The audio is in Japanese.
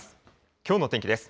きょうの天気です。